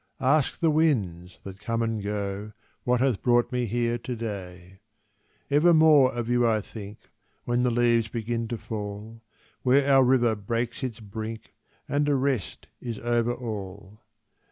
Ask the winds that come and go, What hath brought me here to day. Evermore of you I think, When the leaves begin to fall, Where our river breaks its brink, And a rest is over all.